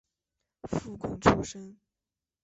附贡出身。